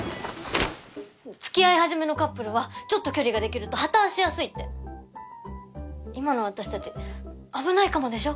つきあい始めのカップルはちょっと距離ができると破綻しやすいって今の私たち危ないかもでしょ